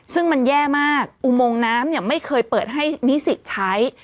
ซึ่งมันแย่มากอุโมงน้ำเนี่ยไม่เคยเปิดให้นิสิตใช้